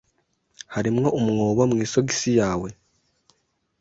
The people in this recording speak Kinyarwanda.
Hariho umwobo mu isogisi yawe.